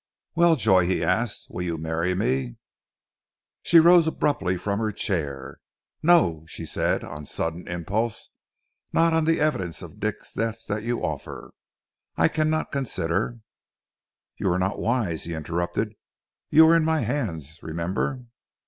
"Well, Joy," he asked, "you will marry me?" She rose abruptly from her chair. "No," she said on a sudden impulse. "Not on the evidence of Dick's death that you offer. I cannot consider " "You are not wise!" he interrupted. "You are in my hands, remember."